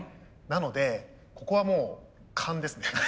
なのでここはもう勘ですね。